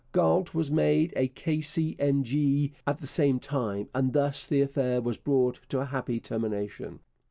Galt was made a K.C.M.G. at the same time, and thus the affair was brought to a happy termination.